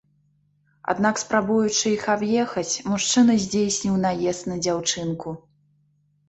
Аднак спрабуючы іх аб'ехаць, мужчына здзейсніў наезд на дзяўчынку.